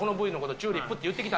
チューリップっていってきた。